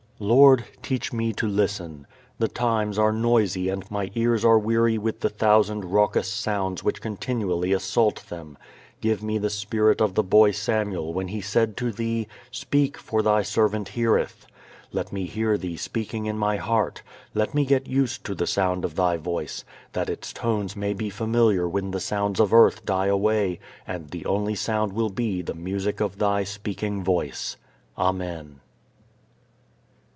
_Lord, teach me to listen. The times are noisy and my ears are weary with the thousand raucous sounds which continuously assault them. Give me the spirit of the boy Samuel when he said to Thee, "Speak, for thy servant heareth." Let me hear Thee speaking in my heart. Let me get used to the sound of Thy Voice, that its tones may be familiar when the sounds of earth die away and the only sound will be the music of Thy speaking Voice. Amen.